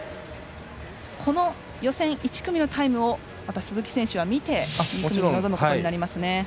この予選１組のタイムを鈴木選手は見て臨むことになりますね。